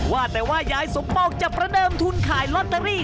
ว่าแต่ว่ายายสมปองจะประเดิมทุนขายลอตเตอรี่